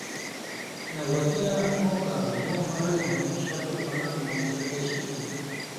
نبوّتیاں اٹھؤں کال یُوں اڑیۡ ہویں (شق القمر) معجزہ پیش اِیلیۡ۔